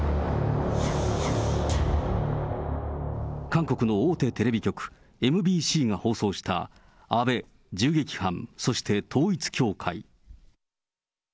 韓国の大手テレビ局、ＭＢＣが放送した安倍銃撃犯そして統一教会。